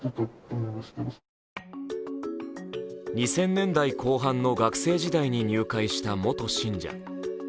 ２０００年代後半の学生時代に入会した元信者。